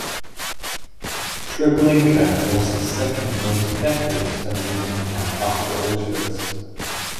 Treblinka was the second most deadly extermination camp after Auschwitz.